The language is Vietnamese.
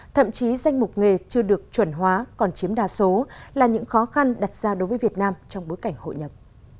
thậm chí danh mục nghề chưa được chuẩn hóa còn chiếm đa số là những khó khăn đặt ra đối với việt nam trong bối cảnh hội nhập